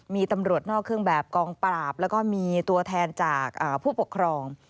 มีตำรวจนอกเครื่องแบบกองปราบแล้วก็มีตัวแทนจากผู้ปกครอง